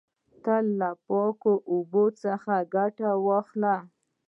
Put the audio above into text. تل له پاکو اوبو څخه ګټه واخلی.